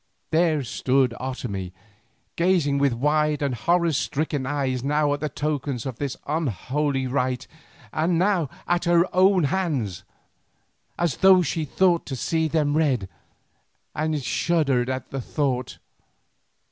There stood Otomie, gazing with wide and horror stricken eyes now at the tokens of this unholy rite and now at her own hands—as though she thought to see them red, and shuddered at the thought.